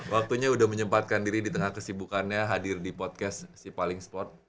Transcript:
waktunya sudah menyempatkan diri di tengah kesibukannya hadir di podcast si paling sport